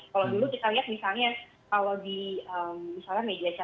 kalau dulu sifatnya mungkin bukan video konten yang real terjadi ya